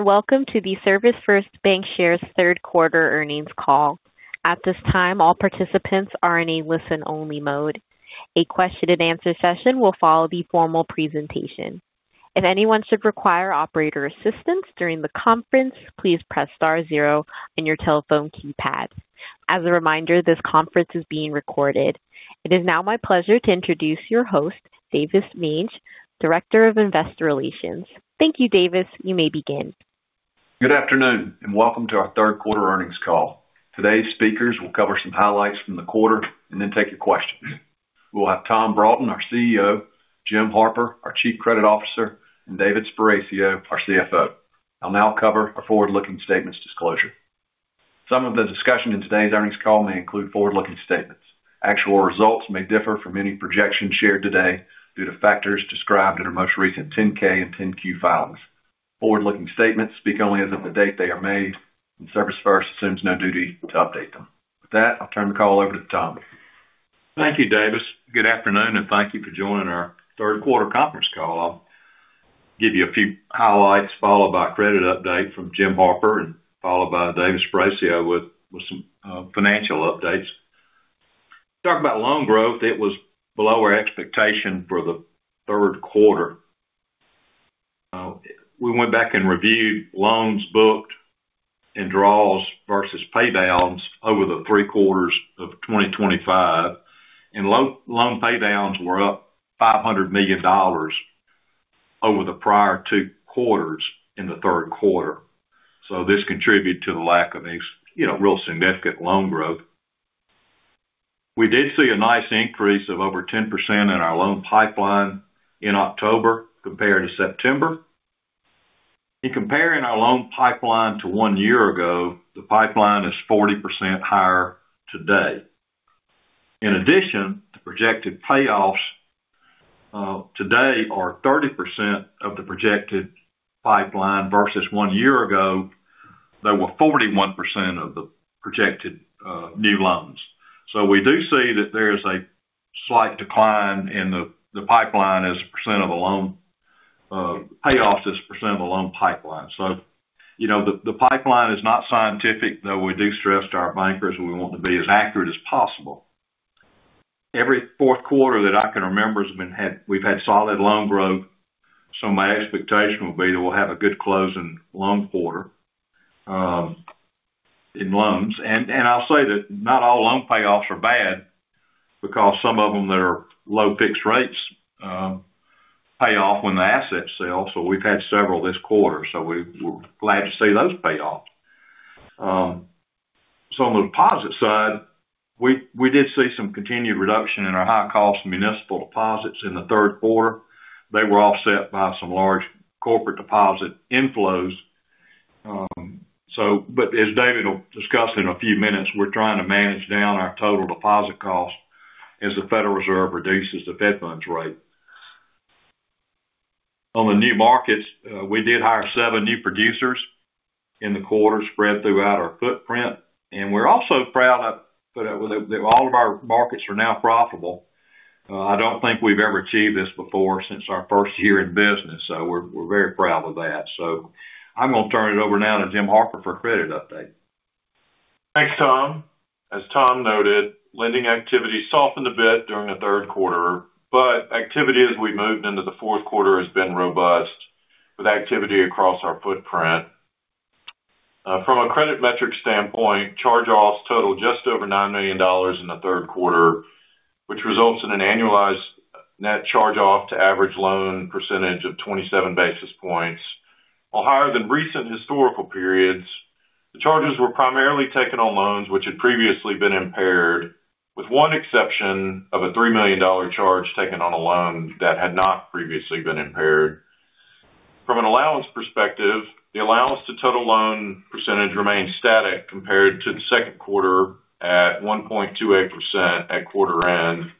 Welcome to the ServisFirst Bancshares' third quarter earnings call. At this time, all participants are in a listen-only mode. A question-and-answer session will follow the formal presentation. If anyone should require operator assistance during the conference, please press *0 on your telephone keypad. As a reminder, this conference is being recorded. It is now my pleasure to introduce your host, Davis S. Mange, Director of Investor Relations. Thank you, Davis. You may begin. Good afternoon and welcome to our third quarter earnings call. Today's speakers will cover some highlights from the quarter and then take your questions. We will have Tom Broughton, our CEO, Jim Harper, our Chief Credit Officer, and David Sparacio, our CFO. I'll now cover our forward-looking statements disclosure. Some of the discussion in today's earnings call may include forward-looking statements. Actual results may differ from any projections shared today due to factors described in our most recent 10-K and 10-Q filings. Forward-looking statements speak only as of the date they are made, and ServisFirst assumes no duty to update them. With that, I'll turn the call over to Tom. Thank you, Davis. Good afternoon and thank you for joining our third quarter conference call. I'll give you a few highlights followed by a credit update from Jim Harper and followed by David Sparacio with some financial updates. Talk about loan growth. It was below our expectation for the third quarter. We went back and reviewed loans booked and draws versus paybacks over the three quarters of 2023, and loan paybacks were up $500 million over the prior two quarters in the third quarter. This contributed to the lack of a real significant loan growth. We did see a nice increase of over 10% in our loan pipeline in October compared to September. In comparing our loan pipeline to one year ago, the pipeline is 40% higher today. In addition, the projected payoffs today are 30% of the projected pipeline versus one year ago, they were 41% of the projected new loans. We do see that there is a slight decline in the payoffs as a percent of the loan pipeline. The pipeline is not scientific, though we do stress to our bankers we want to be as accurate as possible. Every fourth quarter that I can remember, we've had solid loan growth. My expectation will be that we'll have a good closing loan quarter in loans. I'll say that not all loan payoffs are bad because some of them that are low fixed rates pay off when the assets sell. We've had several this quarter, so we're glad to see those payoffs. On the deposit side, we did see some continued reduction in our high-cost municipal deposits in the third quarter. They were offset by some large corporate deposit inflows. As David will discuss in a few minutes, we're trying to manage down our total deposit cost as the Federal Reserve reduces the Fed Funds rate. On the new markets, we did hire seven new producers in the quarter spread throughout our footprint, and we're also proud that all of our markets are now profitable. I don't think we've ever achieved this before since our first year in business, so we're very proud of that. I'm going to turn it over now to Jim Harper for a credit update. Thanks, Tom. As Tom noted, lending activity softened a bit during the third quarter, but activity as we moved into the fourth quarter has been robust with activity across our footprint. From a credit metrics standpoint, charge-offs total just over $9 million in the third quarter, which results in an annualized net charge-off to average loan percentage of 27 basis points, all higher than recent historical periods. The charges were primarily taken on loans which had previously been impaired, with one exception of a $3 million charge taken on a loan that had not previously been impaired. From an allowance perspective, the allowance to total loan percentage remains static compared to the second quarter at 1.28% at quarter end.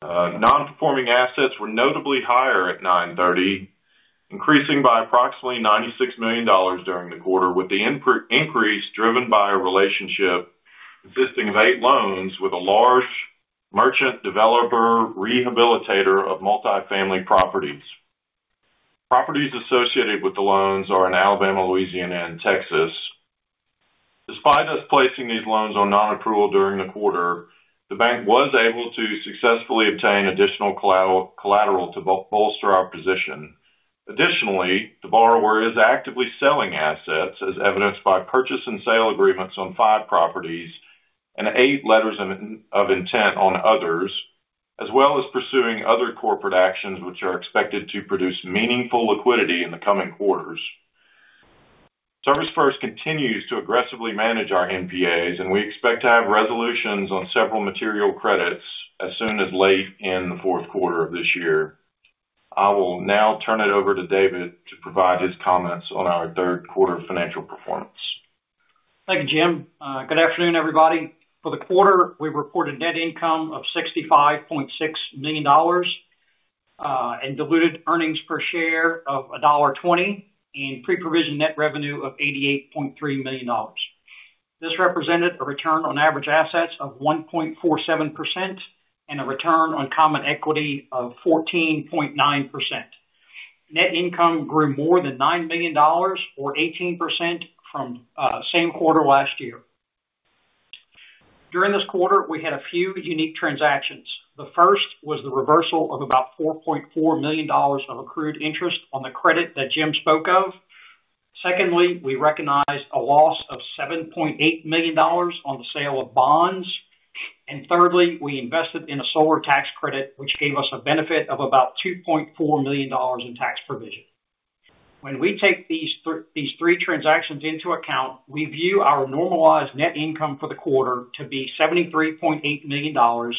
Non-performing assets were notably higher at $930 million, increasing by approximately $96 million during the quarter, with the increase driven by a relationship consisting of eight loans with a large merchant developer rehabilitator of multifamily properties. Properties associated with the loans are in Alabama, Louisiana, and Texas. Despite us placing these loans on non-approval during the quarter, the bank was able to successfully obtain additional collateral to bolster our position. Additionally, the borrower is actively selling assets as evidenced by purchase and sale agreements on five properties and eight letters of intent on others, as well as pursuing other corporate actions which are expected to produce meaningful liquidity in the coming quarters. ServisFirst continues to aggressively manage our NPAs, and we expect to have resolutions on several material credits as soon as late in the fourth quarter of this year. I will now turn it over to David to provide his comments on our third quarter financial performance. Thank you, Jim. Good afternoon, everybody. For the quarter, we've reported net income of $65.6 million and diluted earnings per share of $1.20 and pre-provision net revenue of $88.3 million. This represented a return on average assets of 1.47% and a return on common equity of 14.9%. Net income grew more than $9 million, or 18% from the same quarter last year. During this quarter, we had a few unique transactions. The first was the reversal of about $4.4 million of accrued interest on the credit that Jim spoke of. Secondly, we recognized a loss of $7.8 million on the sale of bonds. Thirdly, we invested in a solar tax credit, which gave us a benefit of about $2.4 million in tax provision. When we take these three transactions into account, we view our normalized net income for the quarter to be $73.8 million or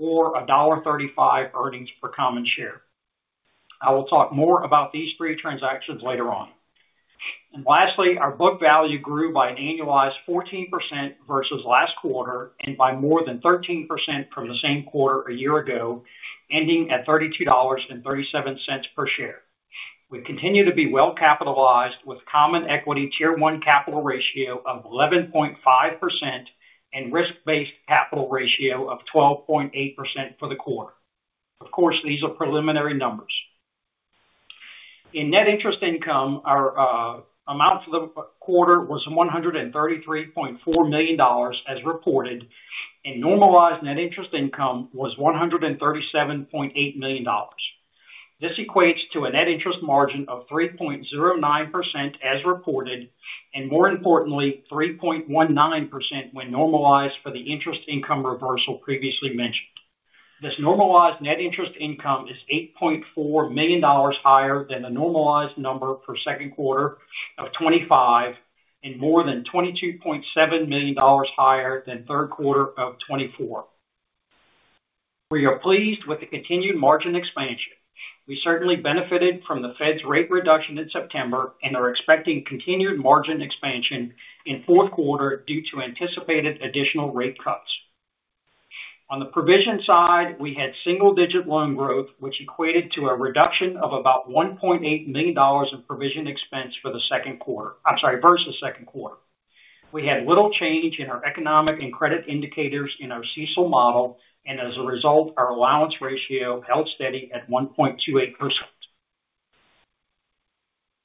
$1.35 earnings per common share. I will talk more about these three transactions later on. Lastly, our book value grew by an annualized 14% versus last quarter and by more than 13% from the same quarter a year ago, ending at $32.37 per share. We continue to be well-capitalized with a common equity tier 1 capital ratio of 11.5% and a risk-based capital ratio of 12.8% for the quarter. Of course, these are preliminary numbers. In net interest income, our amount for the quarter was $133.4 million as reported, and normalized net interest income was $137.8 million. This equates to a net interest margin of 3.09% as reported, and more importantly, 3.19% when normalized for the interest income reversal previously mentioned. This normalized net interest income is $8.4 million higher than the normalized number for the second quarter of 2025 and more than $22.7 million higher than the third quarter of 2024. We are pleased with the continued margin expansion. We certainly benefited from the Federal Reserve's rate reduction in September and are expecting continued margin expansion in the fourth quarter due to anticipated additional rate cuts. On the provision side, we had single-digit loan growth, which equated to a reduction of about $1.8 million in provision expense for the second quarter. I'm sorry, versus the second quarter. We had little change in our economic and credit indicators in our CISL model, and as a result, our allowance ratio held steady at 1.28%.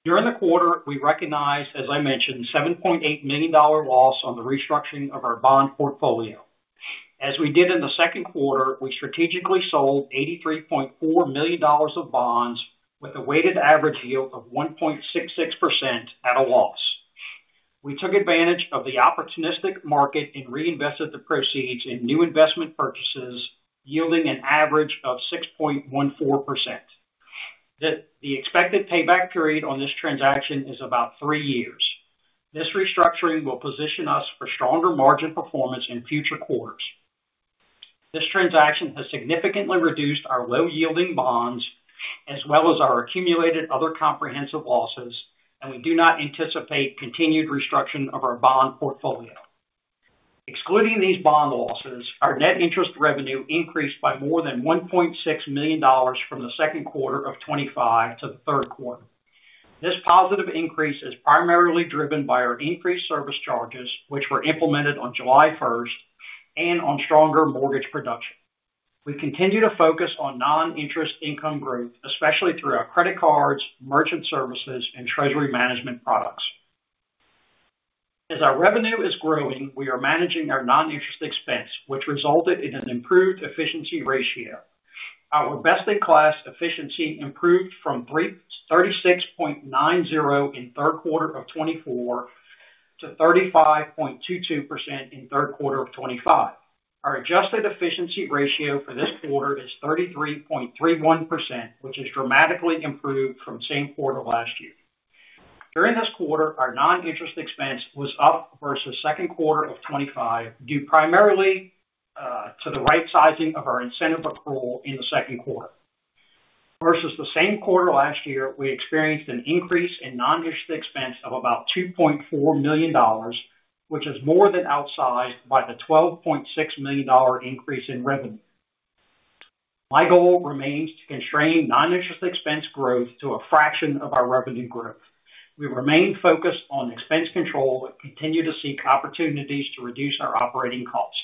During the quarter, we recognized, as I mentioned, a $7.8 million loss on the restructuring of our bond portfolio. As we did in the second quarter, we strategically sold $83.4 million of bonds with a weighted average yield of 1.66% at a loss. We took advantage of the opportunistic market and reinvested the proceeds in new investment purchases, yielding an average of 6.14%. The expected payback period on this transaction is about three years. This restructuring will position us for stronger margin performance in future quarters. This transaction has significantly reduced our low-yielding bonds, as well as our accumulated other comprehensive losses, and we do not anticipate continued restructuring of our bond portfolio. Excluding these bond losses, our net interest revenue increased by more than $1.6 million from the second quarter of 2025 to the third quarter. This positive increase is primarily driven by our increased service charges, which were implemented on July 1, and on stronger mortgage production. We continue to focus on non-interest income growth, especially through our credit cards, merchant services, and treasury services. As our revenue is growing, we are managing our non-interest expense, which resulted in an improved efficiency ratio. Our best-in-class efficiency improved from 36.90% in the third quarter of 2024 to 35.22% in the third quarter of 2025. Our adjusted efficiency ratio for this quarter is 33.31%, which is dramatically improved from the same quarter last year. During this quarter, our non-interest expense was up versus the second quarter of 2025 due primarily to the right-sizing of our incentive accrual in the second quarter. Versus the same quarter last year, we experienced an increase in non-interest expense of about $2.4 million, which is more than outsized by the $12.6 million increase in revenue. My goal remains to constrain non-interest expense growth to a fraction of our revenue growth. We remain focused on expense control and continue to seek opportunities to reduce our operating costs.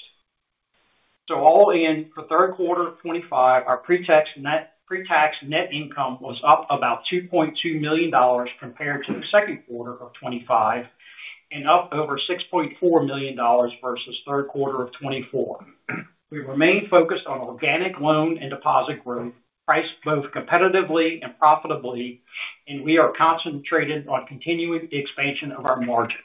All in, for the third quarter of 2025, our pre-tax net income was up about $2.2 million compared to the second quarter of 2025 and up over $6.4 million versus the third quarter of 2024. We remain focused on organic loan and deposit growth, priced both competitively and profitably, and we are concentrated on continuing the expansion of our margin.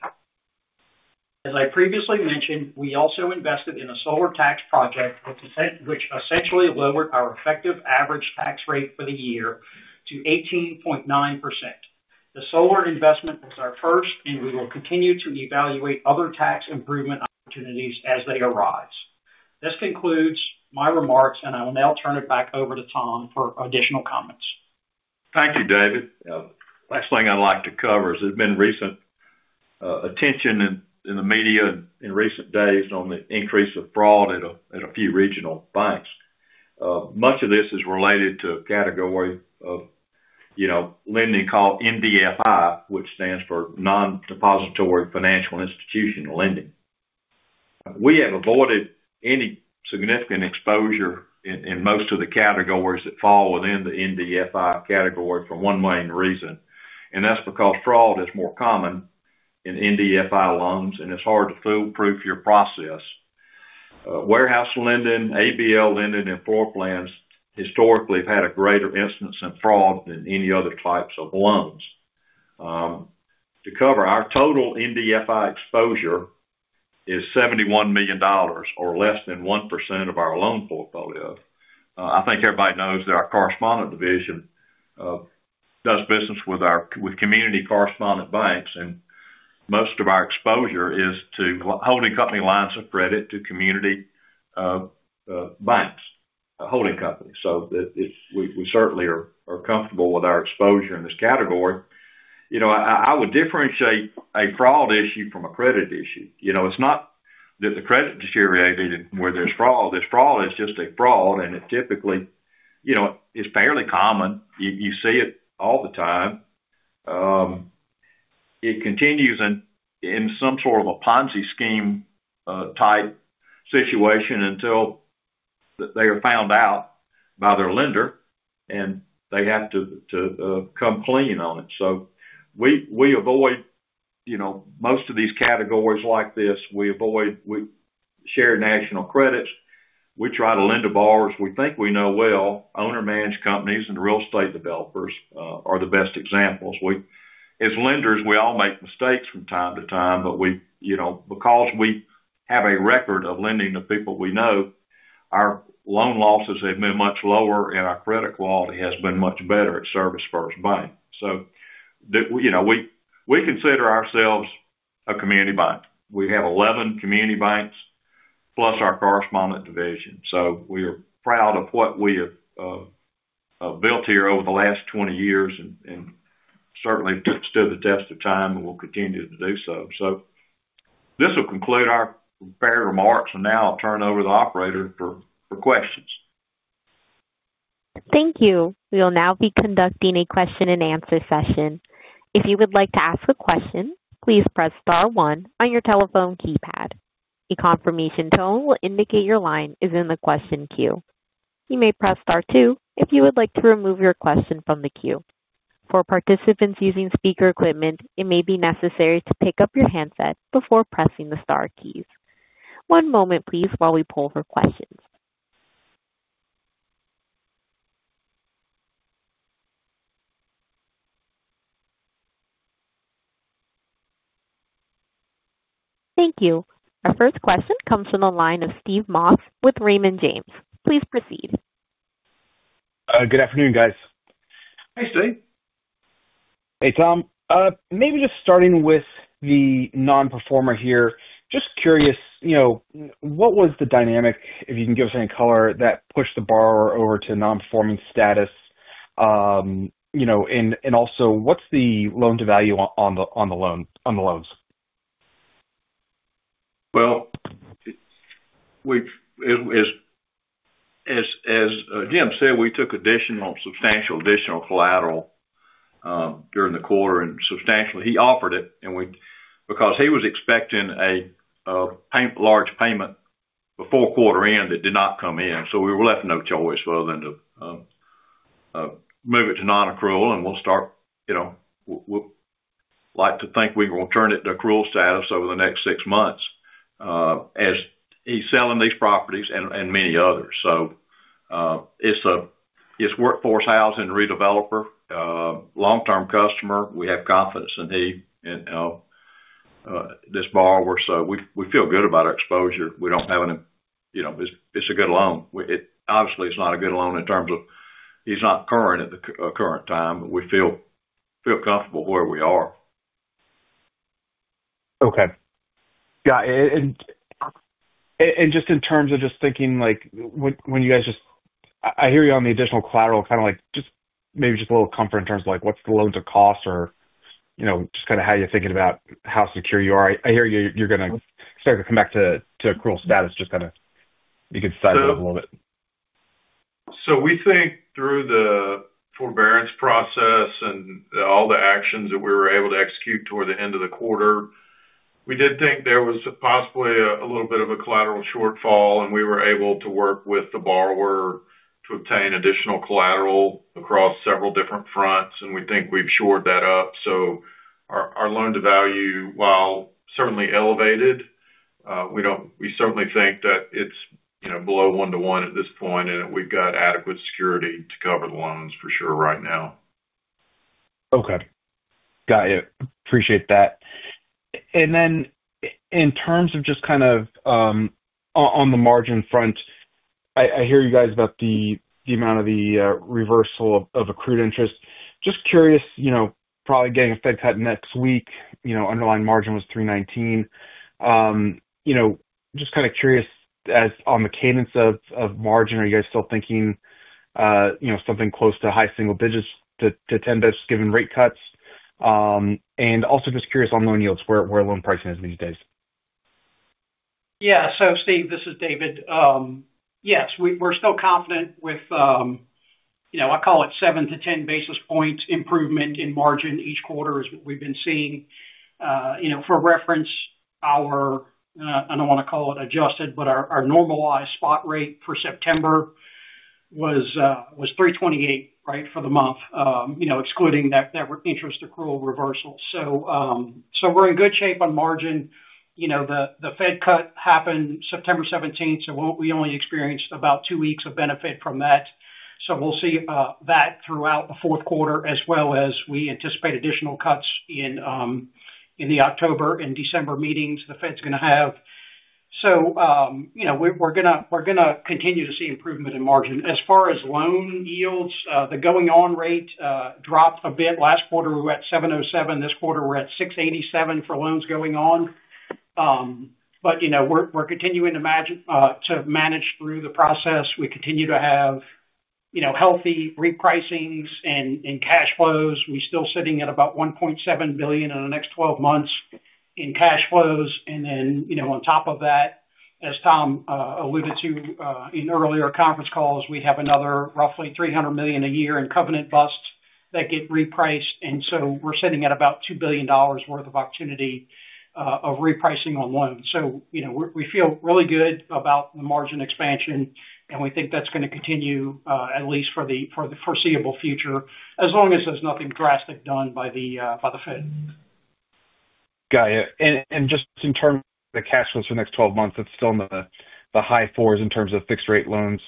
As I previously mentioned, we also invested in a solar tax credit investment, which essentially lowered our effective average tax rate for the year to 18.9%. The solar tax credit investment was our first, and we will continue to evaluate other tax improvement opportunities as they arise. This concludes my remarks, and I will now turn it back over to Tom for additional comments. Thank you, David. The last thing I'd like to cover is there's been recent attention in the media in recent days on the increase of fraud at a few regional banks. Much of this is related to a category of lending called NDFI, which stands for Non-Depository Financial Institution lending. We have avoided any significant exposure in most of the categories that fall within the NDFI category for one main reason, and that's because fraud is more common in NDFI loans, and it's hard to foolproof your process. Warehouse lending, ABL lending, and floor plans historically have had a greater incidence of fraud than any other types of loans. To cover, our total NDFI exposure is $71 million, or less than 1% of our loan portfolio. I think everybody knows that our correspondent division does business with community correspondent banks, and most of our exposure is to holding company lines of credit to community bank holding companies. We certainly are comfortable with our exposure in this category. I would differentiate a fraud issue from a credit issue. It's not that the credit deteriorated where there's fraud. There's fraud. It's just a fraud, and it typically is fairly common. You see it all the time. It continues in some sort of a Ponzi scheme-type situation until they are found out by their lender, and they have to come clean on it. We avoid most of these categories like this. We avoid shared national credits. We try to lend to borrowers we think we know well. Owner-managed companies and real estate developers are the best examples. As lenders, we all make mistakes from time to time, but because we have a record of lending to people we know, our loan losses have been much lower, and our credit quality has been much better at ServisFirst Bank. We consider ourselves a community bank. We have 11 community banks plus our correspondent division. We are proud of what we have built here over the last 20 years and certainly stood the test of time and will continue to do so. This will conclude our prepared remarks, and now I'll turn it over to the operator for questions. Thank you. We will now be conducting a question-and-answer session. If you would like to ask a question, please press *1 on your telephone keypad. A confirmation tone will indicate your line is in the question queue. You may press *2 if you would like to remove your question from the queue. For participants using speaker equipment, it may be necessary to pick up your handset before pressing the star keys. One moment, please, while we pull for questions. Thank you. Our first question comes from the line of Steve Moss with Raymond James. Please proceed. Good afternoon, guys. Hi, Steve. Hey, Tom. Maybe just starting with the non-performer here, just curious, you know, what was the dynamic, if you can give us any color, that pushed the borrower over to non-performing status? You know, and also, what's the loan-to-value on the loans? As Jim said, we took substantial additional collateral during the quarter, and substantially, he offered it because he was expecting a large payment before quarter end that did not come in. We were left no choice other than to move it to non-accrual, and we would like to think we're going to turn it to accrual status over the next six months as he's selling these properties and many others. It's a workforce housing redeveloper, long-term customer. We have confidence in this borrower, so we feel good about our exposure. We don't have any, you know, it's a good loan. Obviously, it's not a good loan in terms of he's not current at the current time, but we feel comfortable where we are. Okay. In terms of just thinking like when you guys, I hear you on the additional collateral, kind of like just maybe a little comfort in terms of what's the loan-to-cost or, you know, just kind of how you're thinking about how secure you are. I hear you're going to start to come back to accrual status, just kind of you could stifle it a little bit. We think through the forbearance process and all the actions that we were able to execute toward the end of the quarter. We did think there was possibly a little bit of a collateral shortfall, and we were able to work with the borrower to obtain additional collateral across several different fronts, and we think we've shored that up. Our loan-to-value, while certainly elevated, we certainly think that it's below one-to-one at this point, and we've got adequate security to cover the loans for sure right now. Okay. Got it. Appreciate that. In terms of just kind of on the margin front, I hear you guys about the amount of the reversal of accrued interest. Just curious, you know, probably getting a Fed cut next week, you know, underlying margin was 3.19%. Just kind of curious as on the cadence of margin, are you guys still thinking something close to high single digits to 10 bps given rate cuts? Also just curious on loan yields, where loan pricing is in these days. Yeah. So, Steve, this is David. Yes, we're still confident with, you know, I call it 7 to 10 basis points improvement in margin each quarter is what we've been seeing. For reference, our, I don't want to call it adjusted, but our normalized spot rate for September was 3.28%, right, for the month, excluding that interest accrual reversal. We're in good shape on margin. The Fed cut happened September 17, so we only experienced about two weeks of benefit from that. We'll see that throughout the fourth quarter as well as we anticipate additional cuts in the October and December meetings the Fed is going to have. We're going to continue to see improvement in margin. As far as loan yields, the going-on rate dropped a bit. Last quarter, we were at 7.07%. This quarter, we're at 6.87% for loans going on. We're continuing to manage through the process. We continue to have healthy repricings in cash flows. We're still sitting at about $1.7 billion in the next 12 months in cash flows. On top of that, as Tom alluded to in earlier conference calls, we have another roughly $300 million a year in covenant busts that get repriced. We're sitting at about $2 billion worth of opportunity of repricing on loans. We feel really good about the margin expansion, and we think that's going to continue at least for the foreseeable future as long as there's nothing drastic done by the Fed. Got it. In terms of the cash flows for the next 12 months, it's still in the high fours in terms of fixed-rate loans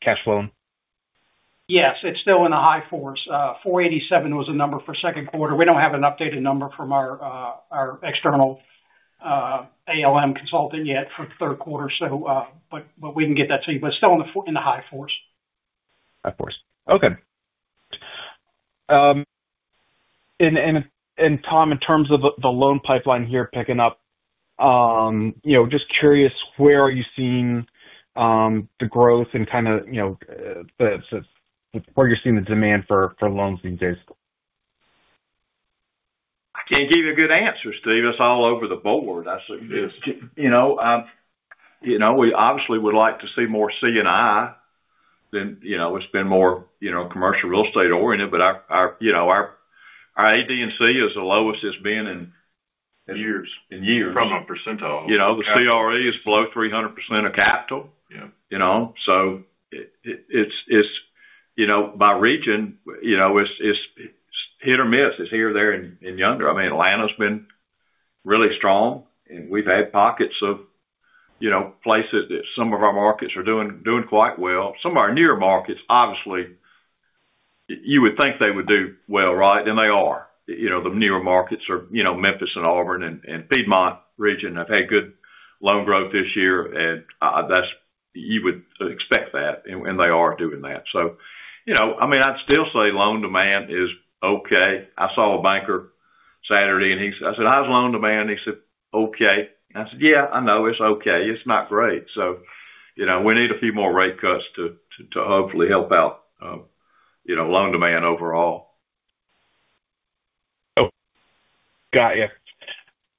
cash flow? Yes, it's still in the high fours. $4.87 was the number for the second quarter. We don't have an updated number from our external ALM consultant yet for the third quarter, so we can get that to you. It's still in the high fours. High fours. Okay. Tom, in terms of the loan pipeline here picking up, just curious, where are you seeing the growth and kind of where you're seeing the demand for loans these days? I can't give you a good answer, Steve. It's all over the board. We obviously would like to see more C&I than, you know, it's been more commercial real estate-oriented, but our AD&C is the lowest it's been in years. From a percentile. The CRE is below 300% of capital. By region, it's hit or miss. It's here, there, and yonder. Atlanta's been really strong, and we've had pockets of places that some of our markets are doing quite well. Some of our near markets, obviously, you would think they would do well, right? They are. The near markets are Memphis and Auburn, and the Piedmont region have had good loan growth this year, and you would expect that, and they are doing that. I'd still say loan demand is okay. I saw a banker Saturday, and I said, "How's loan demand?" He said, "Okay." I said, "Yeah, I know it's okay. It's not great." We need a few more rate cuts to hopefully help out loan demand overall. Oh, got you.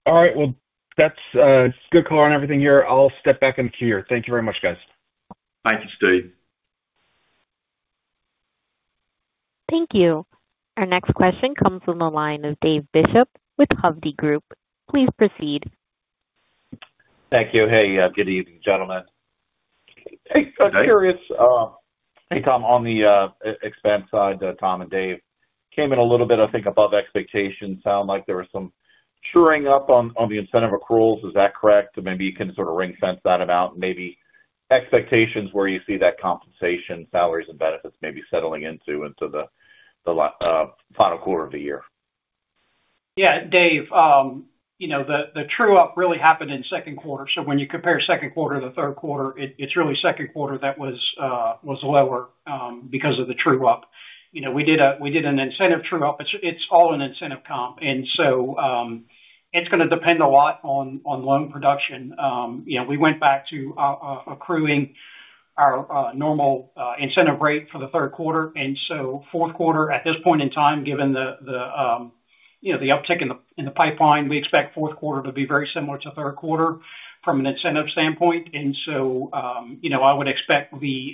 All right. That is a good call on everything here. I'll step back and cure. Thank you very much, guys. Thank you, Steve. Thank you. Our next question comes from the line of David Jason Bishop with Hovde Group. Please proceed. Thank you. Hey, good evening, gentlemen. I'm curious. Tom, on the expense side, Tom and Dave came in a little bit, I think, above expectations. Sounded like there was some truing up on the incentive accruals. Is that correct? Maybe you can sort of ring-fence that and maybe expectations where you see that compensation, salaries, and benefits maybe settling into the final quarter of the year. Yeah, Dave, the true up really happened in the second quarter. When you compare second quarter to the third quarter, it's really the second quarter that was lower because of the true up. We did an incentive true up. It's all an incentive comp, and it's going to depend a lot on loan production. We went back to accruing our normal incentive rate for the third quarter. Fourth quarter, at this point in time, given the uptick in the pipeline, we expect the fourth quarter to be very similar to the third quarter from an incentive standpoint. I would expect the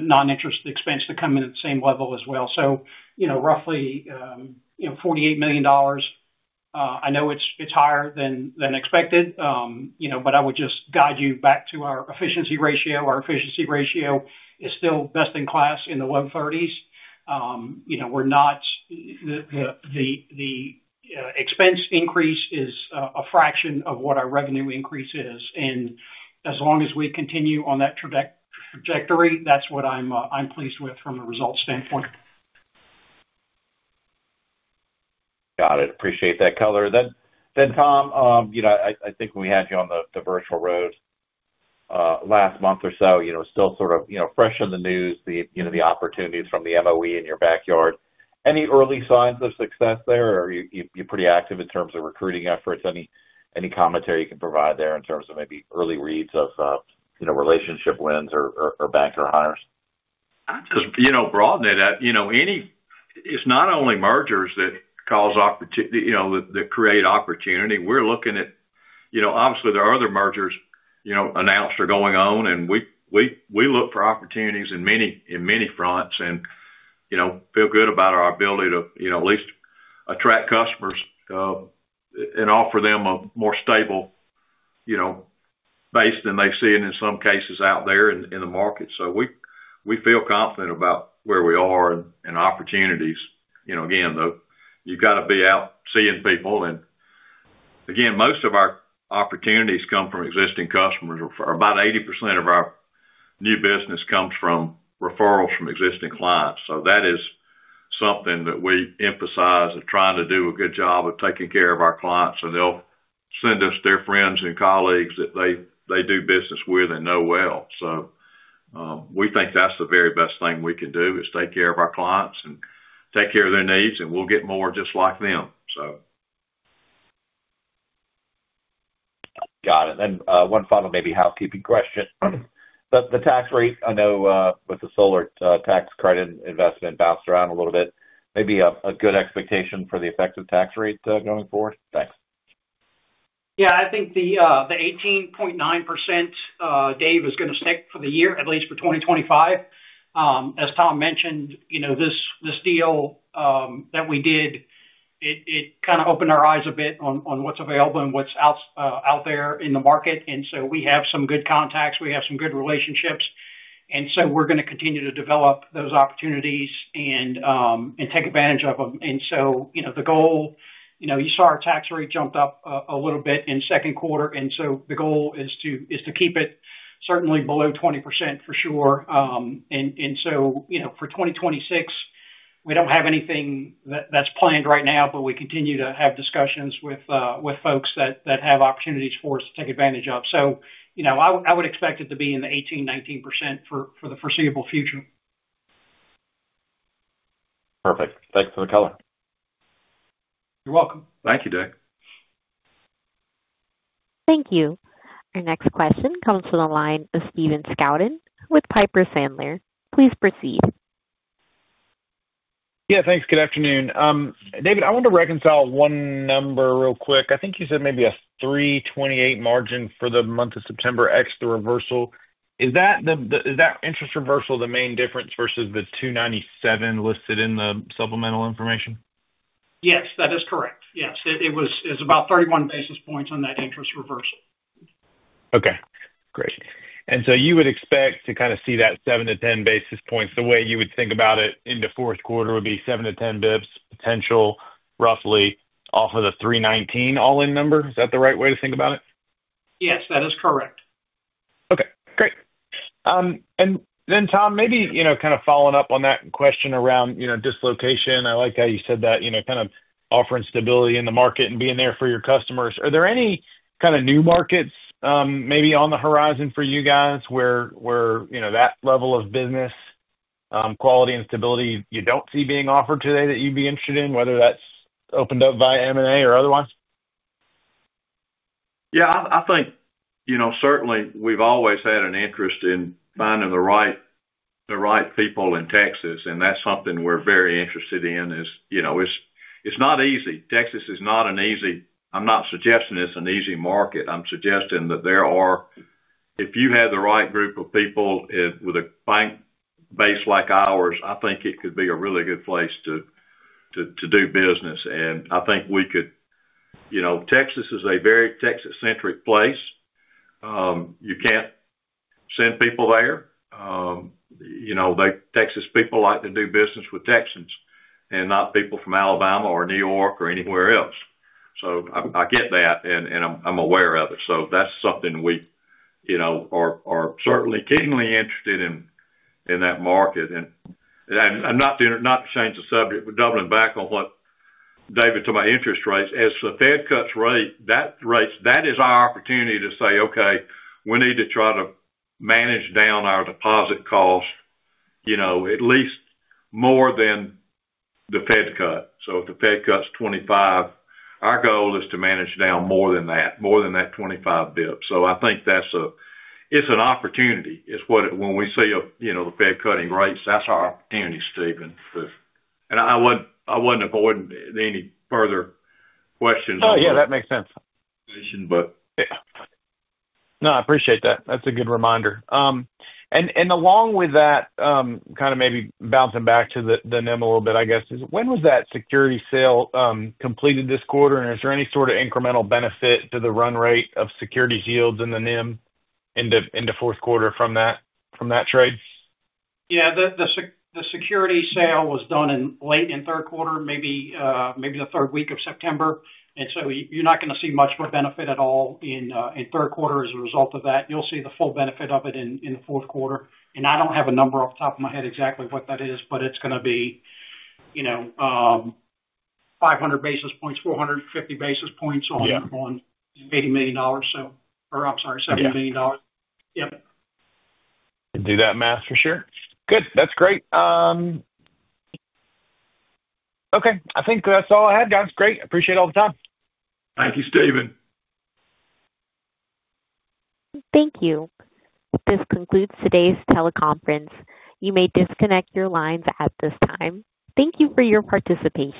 non-interest expense to come in at the same level as well, so roughly $48 million. I know it's higher than expected, but I would just guide you back to our efficiency ratio. Our efficiency ratio is still best-in-class in the low 30s. We're not, the expense increase is a fraction of what our revenue increase is. As long as we continue on that trajectory, that's what I'm pleased with from a results standpoint. Got it. Appreciate that color. Tom, I think when we had you on the virtual road last month or so, it was still sort of fresh in the news, the opportunities from the MOE in your backyard. Any early signs of success there? Are you pretty active in terms of recruiting efforts? Any commentary you can provide there in terms of maybe early reads of relationship wins or banker hires? I'm just broadening it. It's not only mergers that create opportunity. We're looking at, obviously, there are other mergers announced or going on, and we look for opportunities on many fronts and feel good about our ability to at least attract customers and offer them a more stable base than they see in some cases out there in the market. We feel confident about where we are and opportunities. Again, you've got to be out seeing people. Most of our opportunities come from existing customers. About 80% of our new business comes from referrals from existing clients. That is something that we emphasize and trying to do a good job of taking care of our clients, and they'll send us their friends and colleagues that they do business with and know well. We think that's the very best thing we can do is take care of our clients and take care of their needs, and we'll get more just like them. Got it. One final, maybe housekeeping question. The tax rate, I know with the solar tax credit investment, bounced around a little bit. Maybe a good expectation for the effective tax rate going forward? Thanks. Yeah, I think the 18.9%, Dave, is going to stick for the year, at least for 2025. As Tom mentioned, this deal that we did, it kind of opened our eyes a bit on what's available and what's out there in the market. We have some good contacts. We have some good relationships. We're going to continue to develop those opportunities and take advantage of them. The goal, you saw our tax rate jumped up a little bit in the second quarter. The goal is to keep it certainly below 20% for sure. For 2026, we don't have anything that's planned right now, but we continue to have discussions with folks that have opportunities for us to take advantage of. I would expect it to be in the 18, 19% for the foreseeable future. Perfect. Thanks for the color. You're welcome. Thank you, Davis. Thank you. Our next question comes from the line of Stephen Scouten with Piper Sandler. Please proceed. Yeah, thanks. Good afternoon. David, I wanted to reconcile one number real quick. I think you said maybe a 3.28% margin for the month of September, ex the reversal. Is that interest reversal the main difference versus the 2.97% listed in the supplemental information? Yes, that is correct. It was about 31 basis points on that interest reversal. Great. You would expect to kind of see that seven to 10 basis points. The way you would think about it in the fourth quarter would be seven to 10 bps potential, roughly off of the 319 all-in number. Is that the right way to think about it? Yes, that is correct. Great. Tom, maybe, you know, kind of following up on that question around dislocation, I like how you said that, you know, kind of offering stability in the market and being there for your customers. Are there any kind of new markets, maybe on the horizon for you guys where, you know, that level of business, quality and stability you don't see being offered today that you'd be interested in, whether that's opened up by M&A or otherwise? Yeah, I think we've always had an interest in finding the right people in Texas, and that's something we're very interested in. It's not easy. Texas is not an easy market. I'm suggesting that if you have the right group of people with a bank base like ours, I think it could be a really good place to do business. I think we could, you know, Texas is a very Texas-centric place. You can't send people there. Texas people like to do business with Texans and not people from Alabama or New York or anywhere else. I get that, and I'm aware of it. That's something we are certainly keenly interested in in that market. Not to change the subject, but doubling back on what David talked about interest rates. As the Fed cuts rates, that is our opportunity to say, "Okay, we need to try to manage down our deposit cost, at least more than the Fed cut." If the Fed cuts 25, our goal is to manage down more than that, more than that 25 bps. I think that's an opportunity. When we see the Fed cutting rates, that's our opportunity, Steven. I wouldn't avoid any further questions. Oh, yeah, that makes sense. But yeah. I appreciate that. That's a good reminder. Along with that, maybe bouncing back to the NIM a little bit, I guess, when was that security sale completed this quarter? Is there any sort of incremental benefit to the run rate of securities yields in the NIM into the fourth quarter from that trade? Yeah, the security sale was done late in the third quarter, maybe the third week of September. You're not going to see much of a benefit at all in the third quarter as a result of that. You'll see the full benefit of it in the fourth quarter. I don't have a number off the top of my head exactly what that is, but it's going to be, you know, 500 basis points, 450 basis points on $80 million, or, I'm sorry, $70 million. Yep. Do that math for sure. Good. That's great. Okay, I think that's all I had, guys. Great. Appreciate all the time. Thank you, Stephen. Thank you. This concludes today's teleconference. You may disconnect your lines at this time. Thank you for your participation.